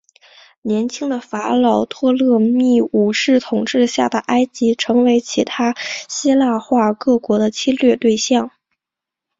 年轻的法老托勒密五世统治下的埃及成为其他希腊化各国的侵略对象。